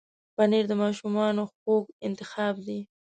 پنېر د ماشومانو خوږ انتخاب دی.